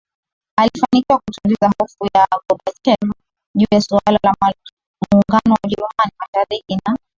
alifanikiwa kutuliza hofu za Gorbachev juu ya suala la muungano wa Ujerumani Mashariki na